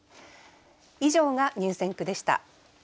以上が入選句でした。